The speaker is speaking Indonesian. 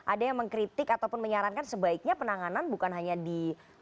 ada yang mengkritik ataupun menyarankan sebaiknya penanganan bukan hanya di